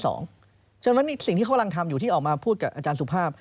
เพราะฉะนั้นสิ่งที่เขากำลังทำอยู่ที่ออกมาพูดกับอาจารย์สุภาพ